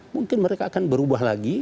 mungkin mereka akan berubah lagi